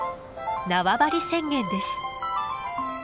縄張り宣言です。